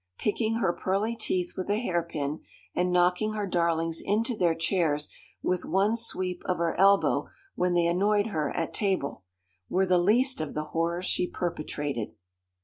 Picking her pearly teeth with a hair pin, and knocking her darlings into their chairs with one sweep of her elbow when they annoyed her at table, were the least of the horrors she perpetrated.